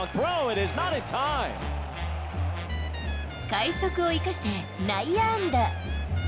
快足を生かして、内野安打。